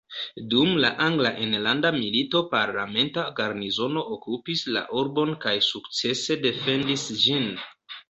Dum la angla enlanda milito parlamenta garnizono okupis la urbon kaj sukcese defendis ĝin.